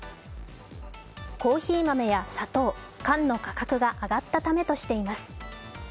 コーヒー豆や砂糖、缶の価格が上がったためとしています。